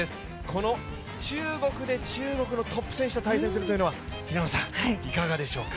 この中国で中国のトップ選手と対戦するというのはいかがでしょうか？